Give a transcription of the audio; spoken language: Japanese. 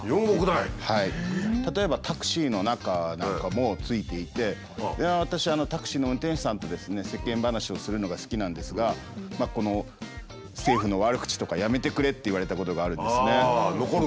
例えばタクシーの中なんかもついていて私タクシーの運転手さんと世間話をするのが好きなんですが。って言われたことがあるんですね。